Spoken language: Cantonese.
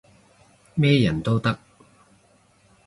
咩人都得